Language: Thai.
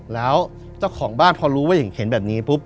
แล้วเจ้าของบ้านพอรู้ว่าเห็นแบบนี้ปุ๊บ